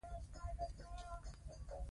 د افغان غازیو ځواک د دښمن مقابله وکړه.